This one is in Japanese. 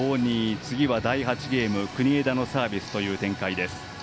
次は第８ゲーム国枝のサービスという展開。